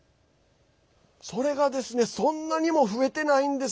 それがですね、そんなにも増えてないんです。